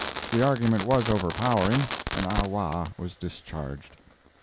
The argument was overpowering, and Ah Wah was discharged.